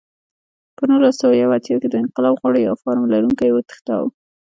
په نولس سوه یو اتیا کال کې د انقلاب غړو یو فارم لرونکی وتښتاوه.